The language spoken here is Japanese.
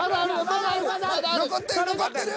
残ってる残ってる！